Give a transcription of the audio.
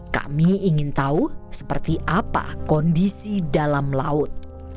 kami ingin tahu seperti apa kondisi dalam laut